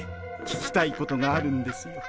聞きたいことがあるんですよ。